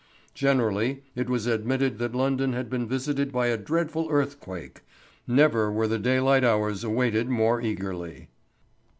Generally, it was admitted that London had been visited by a dreadful earthquake. Never were the daylight hours awaited more eagerly.